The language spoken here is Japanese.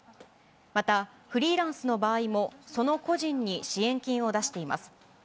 また、フリーランスの場合も、その個人に支援金を出しています。